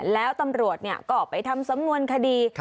แล้วตำรวจก็ไปทำสำนวนคดี